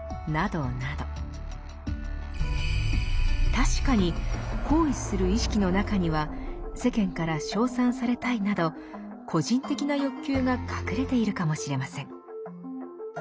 確かに行為する意識の中には世間から称賛されたいなど個人的な欲求が隠れているかもしれません。